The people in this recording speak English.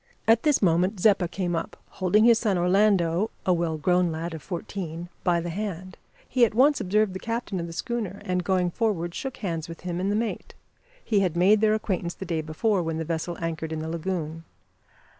At this moment Zeppa came up, holding his son Orlando, a well grown lad of fourteen, by the hand. He at once observed the captain of the schooner, and, going forward, shook hands with him and the mate. He had made their acquaintance the day before, when the vessel anchored in the lagoon.